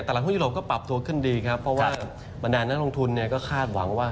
แต่หลังหุ้นยุโรปก็ปรับตัวขึ้นดีครับเพราะว่าบรรดานักลงทุนเนี่ยก็คาดหวังว่า